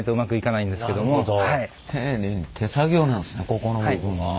ここの部分はね。